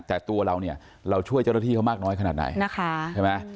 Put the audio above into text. แต่ตัวเราเนี่ยเราช่วยเจ้าหน้าที่เขามากน้อยขนาดไหนนะคะใช่ไหม